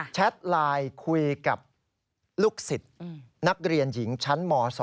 แชทไลน์คุยกับลูกศิษย์นักเรียนหญิงชั้นม๒